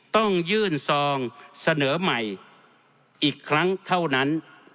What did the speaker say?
ต้องยื่นซองเสนอใหม่อีกครั้งเท่านั้น